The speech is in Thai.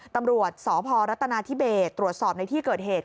ตำรวจสพรัฐนาธิเบสตรวจสอบในที่เกิดเหตุ